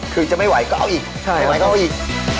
คือจะไม่ไหวให้ก่อนอีก